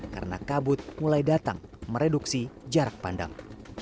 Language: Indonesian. karena kabut mulai datang mereduksi jarak pandang